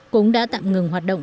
cũng đã tạm ngừng hoạt động